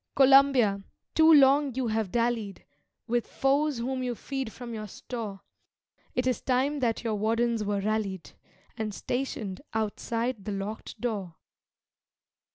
Columbia, too long you have dallied With foes whom you feed from your store; It is time that your wardens were rallied, And stationed outside the locked door.